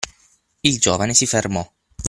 Il giovane si fermò.